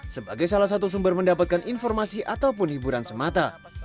sebagai salah satu sumber mendapatkan informasi ataupun hiburan semata